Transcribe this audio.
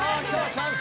チャンス！